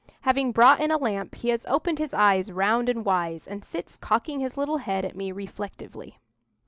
Having brought in a lamp, he has opened his eyes round and wide, and sits cocking his little head at me reflectively."